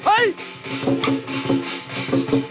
พี่ลูกค่ะ